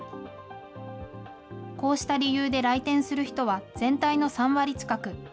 こうした理由で来店する人は全体の３割近く。